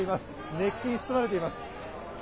熱気に包まれています。